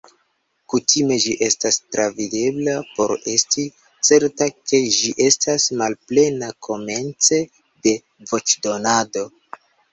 Kutime ĝi estas travidebla por esti certa ke ĝi estas malplena komence de voĉdonado.